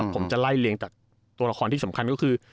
ผมจะไล่เลี้ยงจากละครส่ำขัน